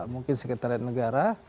mungkin sekretariat negara